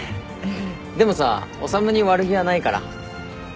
でもさ修に悪気はないから。